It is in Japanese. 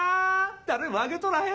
誰も挙げとらへん。